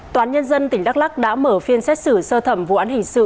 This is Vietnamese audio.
toán nhân dân tỉnh đắk lắc đã mở phiên xét xử sơ thẩm vụ án hình sự